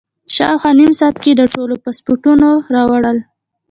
شاوخوا نیم ساعت کې یې د ټولو پاسپورټونه راوړل.